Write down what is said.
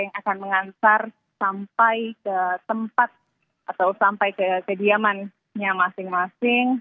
yang akan mengantar sampai ke tempat atau sampai ke kediamannya masing masing